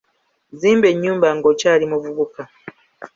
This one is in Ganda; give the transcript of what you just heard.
Zimba ennyumba ng'okyali muvubuka.